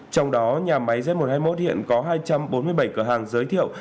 trong đó nhà máy z một trăm hai mươi một hiện có hai trăm bốn mươi bảy cửa hàng giới thiệu